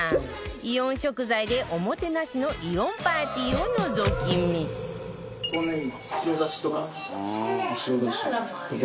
イオン食材で、おもてなしのイオンパーティーをのぞき見男性：